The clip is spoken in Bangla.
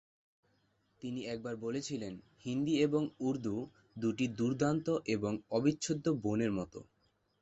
তিনি একবার বলেছিলেন, "হিন্দি এবং উর্দু দুটি দুর্দান্ত এবং অবিচ্ছেদ্য বোনের মতো"।